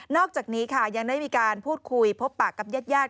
นอกจากนี้ค่ะยังได้มีการพูดคุยพบปากกับเย็ด